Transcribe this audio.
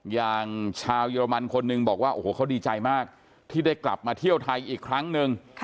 อย่างชาวเยอรมันคนหนึ่งบอกว่าโอ้โหเขาดีใจมากที่ได้กลับมาเที่ยวไทยอีกครั้งหนึ่ง